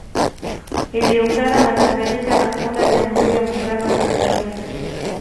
Iliungana na Tanganyika na kuunda Jamhuri ya Muungano wa Tanzania